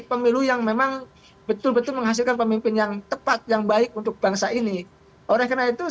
pemilu yang memang betul betul menghasilkan pemimpin yang tepat yang baik untuk bangsa ini